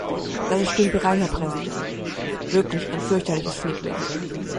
Das ist Stümperei, Herr Präsident, wirklich ein fürchterliches Flickwerk.